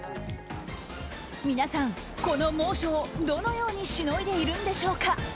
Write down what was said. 皆さん、この猛暑をどのようにしのいでいるんでしょうか。